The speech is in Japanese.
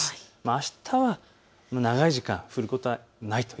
あしたは長い時間降ることはないと。